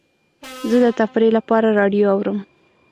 زه د تفریح لپاره راډیو اورم.